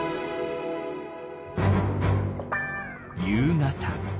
夕方。